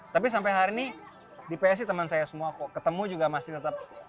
tapi sampai hari ini di psi teman saya semua kok ketemu juga masih tetap